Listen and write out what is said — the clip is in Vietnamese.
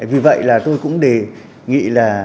vì vậy tôi cũng đề nghị